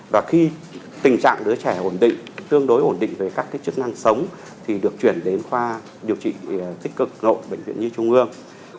và khi tình trạng đứa trẻ ổn định tương đối ổn định về các chức năng sống thì được chuyển đến khoa điều trị tích cực nội bệnh viện nhi trung ương